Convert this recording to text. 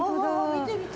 見て見て。